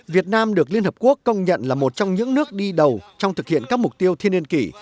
việt nam được liên hợp quốc công nhận là một trong những nước đi đầu trong thực hiện các mục tiêu thiên niên kỷ